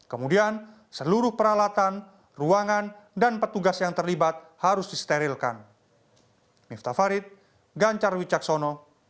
kemudian seluruh peralatan ruangan dan petugas yang terlibat harus disterilkan